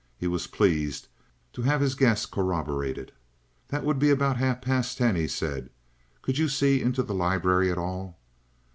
He was pleased to have his guess corroborated. "That would be about half past ten," he said. "Could you see into the library at all?"